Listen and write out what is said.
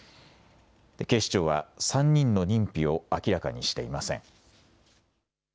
警視庁は３人の認否を明らかにしていません。